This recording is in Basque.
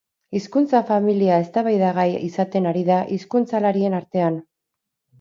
Hizkuntza-familia eztabaidagai izaten ari da hizkuntzalarien artean.